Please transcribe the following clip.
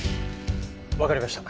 わかりました。